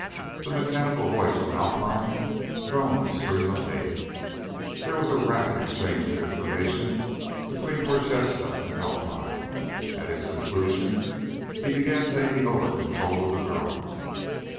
The mechanical voice from Alpine droned a stream of data. There was a rapid exchange of information between Prochaska and Alpine. At its conclusion he began taking over control of the drone.